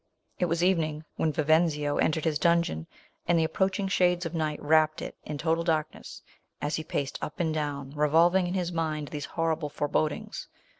It was evening when Vivenzio en tered his dungeon, and the approach ing shades of night wrapped it in total darkness, as he paced up and down, revolving in his mind these horrible forebodings.